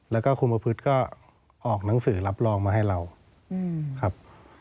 แล้วก็คุมประพฤติก็ออกหนังสือรับรองมาให้เราครับ